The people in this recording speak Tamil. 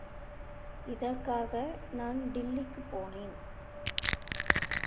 இதற்காக நான் டில்லிக்குப் போனேன்.